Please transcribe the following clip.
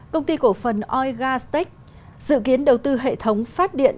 công ty cổ phần oil gas tech dự kiến đầu tư hệ thống phát điện